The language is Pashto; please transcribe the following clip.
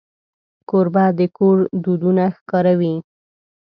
کوربه د کور دودونه ښکاروي.